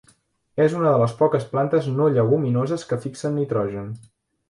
És una de les poques plantes no lleguminoses que fixen nitrogen.